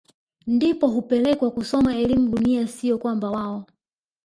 ndipo hupelekwa kusoma elimu dunia siyo kwamba wao